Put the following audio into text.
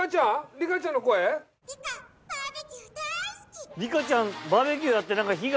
リカちゃんバーベキューだって何か火が。